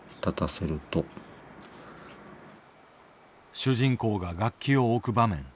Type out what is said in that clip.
主人公が楽器を置く場面。